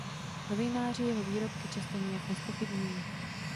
Novináři jeho výroky často nijak nezpochybňují.